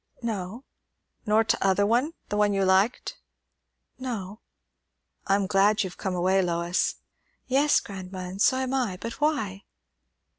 "No." "Nor t'other one? the one you liked." "No." "I'm glad you've come away, Lois." "Yes, grandma, and so am I; but why?"